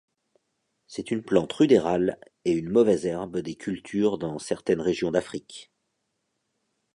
C'est une plante rudérale et une mauvaise herbe des cultures dans certaines régions d'Afrique.